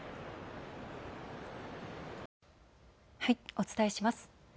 お伝えします。